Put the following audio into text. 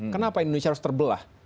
kenapa indonesia harus terbelah